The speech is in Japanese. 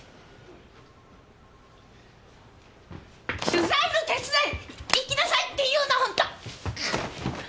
取材の手伝い行きなさいっていうのホント！